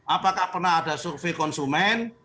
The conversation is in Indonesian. apakah pernah ada survei konsumen